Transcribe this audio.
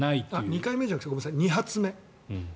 ２回目じゃなくて２発目。